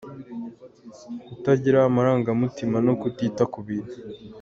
Kutagira amarangamutima no kutita ku bintu.